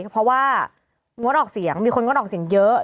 เพราะว่ามัวดอกเสียงมีคนมัวดอกเสียงเยอะ